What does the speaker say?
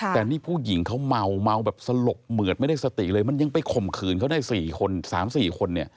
แต่นี่ผู้หญิงเขาเมาเมาแบบสลบเหมือดไม่ได้สติเลยมันยังไปข่มขืนเขาได้๔คน๓๔คนเนี่ย